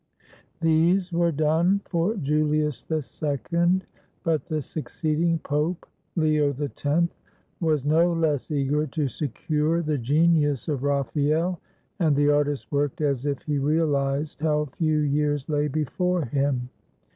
These were done for Julius II, but the succeeding Pope, Leo X, was no less eager to secure the genius of Raphael, and the artist worked as if he realized how few years lay before him.